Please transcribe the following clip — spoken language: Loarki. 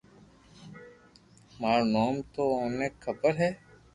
مارو نوم تو اوني خبر ھي